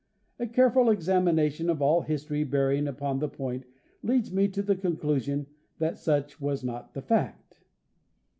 A careful exam ination of all history bearing upon the point leads me to the conclusion that such was not the fact.